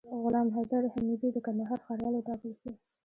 غلام حیدر حمیدي د کندهار ښاروال وټاکل سو